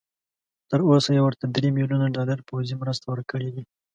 تر اوسه یې ورته درې بيلیونه ډالر پوځي مرسته ورکړي دي.